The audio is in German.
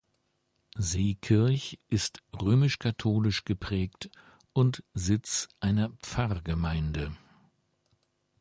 Seekirch ist römisch-katholisch geprägt und Sitz einer Pfarrgemeinde.